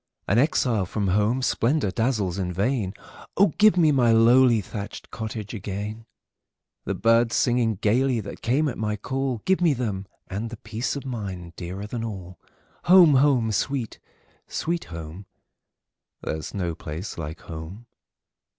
An exile from home, splendor dazzles in vain:O, give me my lowly thatched cottage again! The birds singing gayly that came at my call;—Give me them,—and the peace of mind dearer than all! Home! home! sweet, sweet home! There 's no place like home!